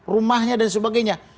rumahnya dan sebagainya